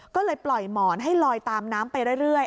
ก็เลยปล่อยหมอนให้ลอยตามน้ำไปเรื่อย